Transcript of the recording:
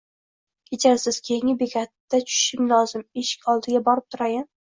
-Kechirasiz, keyingi bekatda tushishim lozim. Eshik oldiga borib turayin.